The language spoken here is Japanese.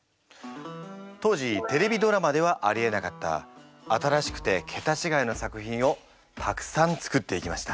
当時テレビドラマではありえなかった新しくてけたちがいの作品をたくさん作っていきました。